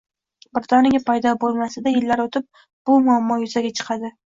birdaniga paydo bo‘lmasa-da, yillar o‘tib bu muammo yuzaga chiqadi.